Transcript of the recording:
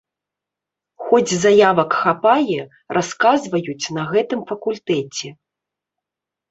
Хоць заявак хапае, расказваюць на гэтым факультэце.